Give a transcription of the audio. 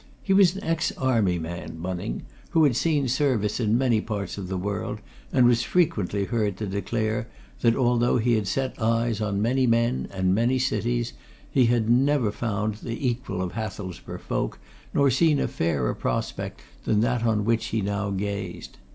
He was an ex Army man, Bunning, who had seen service in many parts of the world, and was frequently heard to declare that although he had set eyes on many men and many cities he had never found the equal of Hathelsborough folk, nor seen a fairer prospect than that on which he now gazed.